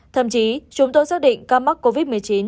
thậm chí chúng tôi xác định ca mắc covid một mươi chín